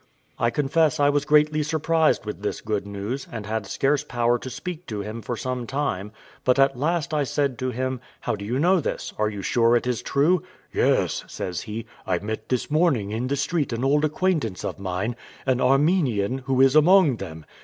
I confess I was greatly surprised with this good news, and had scarce power to speak to him for some time; but at last I said to him, "How do you know this? are you sure it is true?" "Yes," says he; "I met this morning in the street an old acquaintance of mine, an Armenian, who is among them.